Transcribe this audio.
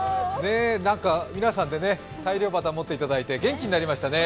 なんか皆さんでね大漁旗持っていただいて、元気になりましたね。